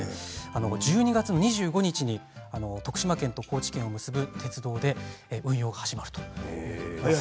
１２月２５日に徳島県と高知県を結ぶ鉄道で運用が始まるということです。